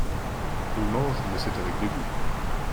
Il mange, mais c'est avec dégoût.